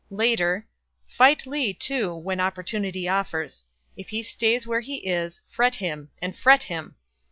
Later: "Fight Lee, too, when opportunity offers. If he stays where he is, fret him and fret him!"